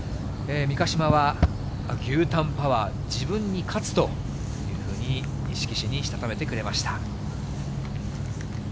三ヶ島は、牛タンパワー、自分に勝つと、色紙にしたためてくれました。